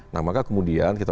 nah maka kemudian kita